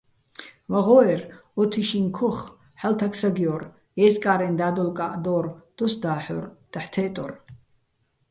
ვაღო́ერ ო თიშიჼ ქოხ ჰ̦ალო̆ თაგ-საგჲო́რ, ე́ზკარენ და́დოლკაჸ დო́რ, დოს და́ჰ̦ორ, დაჰ̦ თე́ტორ.